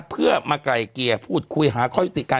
เพื่อมาไกลเกลี่ยพูดคุยหาข้อยุติการ